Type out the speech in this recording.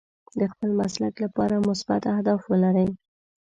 د خپل مسلک لپاره مثبت اهداف ولرئ.